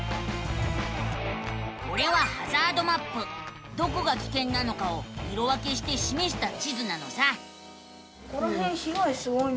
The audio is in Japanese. これはどこがきけんなのかを色分けしてしめした地図なのさ。